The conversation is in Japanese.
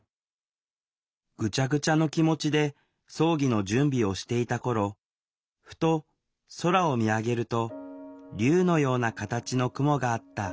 ぐちゃぐちゃの気持ちで葬儀の準備をしていた頃ふと空を見上げると竜のような形の雲があった。